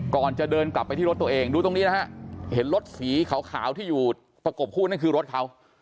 ก่อนจะเดินกลับไปที่รถตัวเองดูตรงนี้นะฮะเห็นรถสีขาวที่อยู่ประกบคู่นั่นคือรถเขา